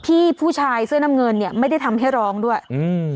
พี่ผู้ชายเสื้อน้ำเงินเนี้ยไม่ได้ทำให้ร้องด้วยอืม